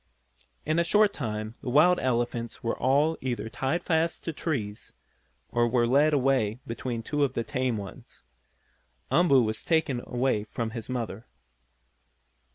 In a short time the wild elephants were all either tied fast to trees, or were led away between two of the tame ones. Umboo was taken away from his mother.